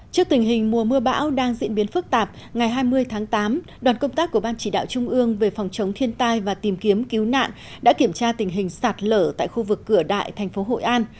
trước tình hình mùa mưa bão đang diễn biến phức tạp ngày hai mươi tháng tám đoàn công tác của ban chỉ đạo trung ương về phòng chống thiên tai và tìm kiếm cứu nạn đã kiểm tra tình hình sạt lở tại khu vực cửa đại thành phố hội an